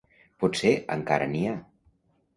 Potser encara n'hi ha.